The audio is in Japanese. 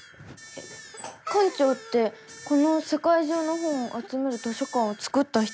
館長ってこのせかい中の本をあつめる図書館をつくった人？